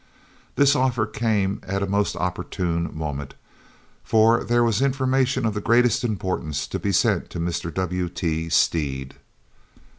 This offer came at a most opportune moment, for there was information of the greatest importance to be sent to Mr. W.T. Stead.